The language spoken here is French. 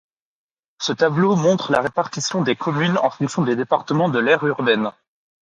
Ce tableau montre la répartition des communes en fonction des départements de l'aire urbaine.